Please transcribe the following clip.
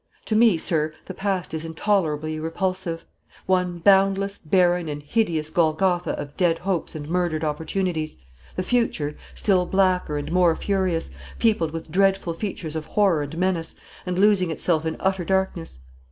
To me, sir, the past is intolerably repulsive; one boundless, barren, and hideous Golgotha of dead hopes and murdered opportunities; the future, still blacker and more furious, peopled with dreadful features of horror and menace, and losing itself in utter darkness.